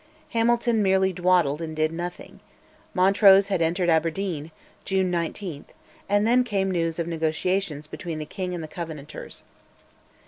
Hamilton merely dawdled and did nothing: Montrose had entered Aberdeen (June 19), and then came news of negotiations between the king and the Covenanters.